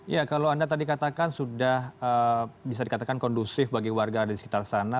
ya kalau anda tadi katakan sudah bisa dikatakan kondusif bagi warga ada di sekitar sana